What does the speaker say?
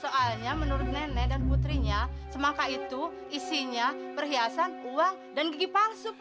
soalnya menurut nenek dan putrinya semangka itu isinya perhiasan uang dan gigi palsu